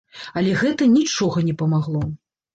Але гэта нічога не памагло.